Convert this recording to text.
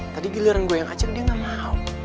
tadi giliran gue yang ajak dia gak mau